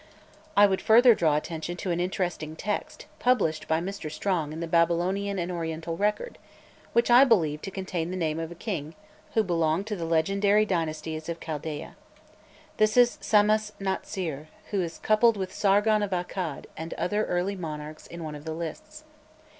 I would further draw attention to an interesting text, published by Mr. Strong in the Babylonian and Oriental Record, which I believe to contain the name of a king who belonged to the legendary dynasties of Chaldæa. This is Samas natsir, who is coupled with Sargon of Accad and other early monarchs in one of the lists.